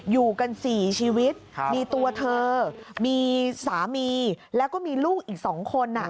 อยู่กัน๔ชีวิตมีตัวเธอมีสามีแล้วก็มีลูกอีก๒คน